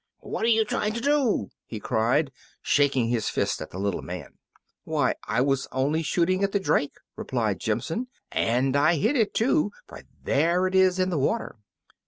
"What are you trying to do?" he cried, shaking his fist at the little man. "Why, I was only shooting at the drake," replied Jimson; "and I hit it, too, for there it is in the water."